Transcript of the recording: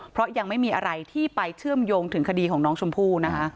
เพราะยังไม่มีอะไรที่ไปเชื่อมโยงถึงคดีของน้องชมพู่นะคะ